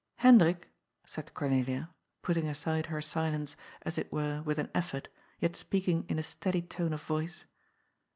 " Hendrik," said Cornelia, putting aside her silence, as it were with an effort, yet speaking in a steady tone of voice.